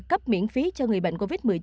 cấp miễn phí cho người bệnh covid một mươi chín